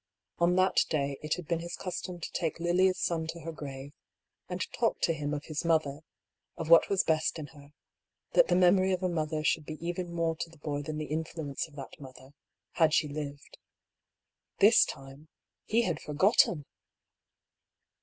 On that day it had been his custom to take Lilia's son to her grave, and talk to him of his mother : of what was best in her, that the memory of a mother should be even more to the boy than the influence of that mother, had she lived. This time — he had forgotten